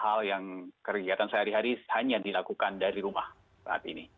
semua hal hal yang karyakan sehari hari hanya dilakukan dari rumah saat ini